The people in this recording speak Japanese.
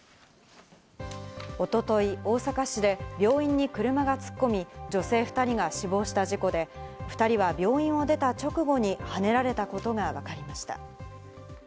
一昨日、大阪市で病院に車が突っ込み、女性２人が死亡した事故で、２人は病院を出た直後にはねられたことがわかりました。